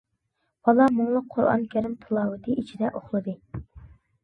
بالا مۇڭلۇق قۇرئان كەرىم تىلاۋىتى ئىچىدە ئۇخلىدى.